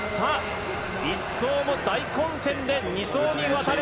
１走も大混戦で２走に渡る。